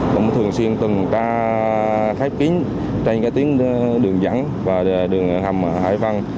cũng thường xuyên từng ca khép kín trên cái tuyến đường dẫn và đường hầm hải vân